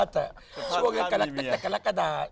ช่วงนี้ก็ภาษามีเมีย